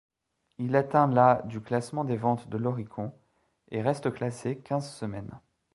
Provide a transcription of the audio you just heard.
Il atteint la du classement des ventes de l'Oricon, et reste classé quinze semaines.